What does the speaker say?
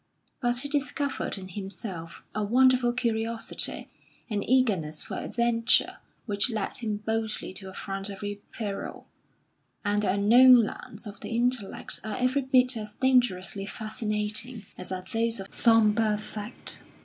But he discovered in himself a wonderful curiosity, an eagerness for adventure which led him boldly to affront every peril; and the unknown lands of the intellect are every bit as dangerously fascinating as are those of sober fact.